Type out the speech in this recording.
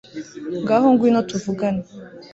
ngaho ngwino tuvugane